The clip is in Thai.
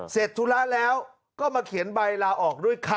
ธุระแล้วก็มาเขียนใบลาออกด้วยค่ะ